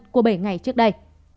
của bảy ngày trước đây